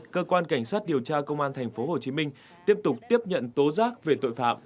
cơ quan cảnh sát điều tra công an tp hcm tiếp tục tiếp nhận tố giác về tội phạm